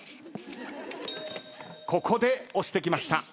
ここで押してきました。